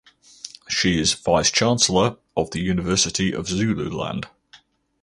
She is Vice Chancellor of the University of Zululand.